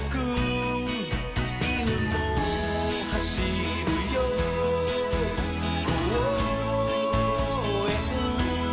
「いぬもはしるよこうえん」